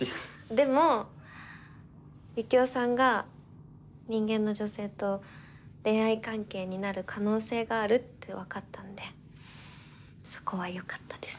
でもユキオさんが人間の女性と恋愛関係になる可能性があるって分かったんでそこはよかったです。